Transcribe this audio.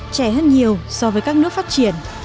trẻ hơn nhiều so với các nước phát triển